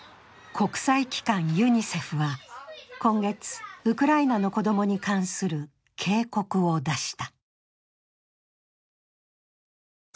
国際機関ユニセフは今月ウクライナの子供に関する警告を出した。